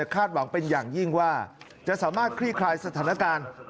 หวังเป็นอย่างยิ่งว่าจะสามารถคลี่คลายสถานการณ์